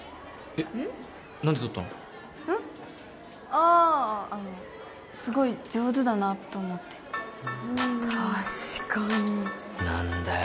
あああのすごい上手だなと思って確かに何だよ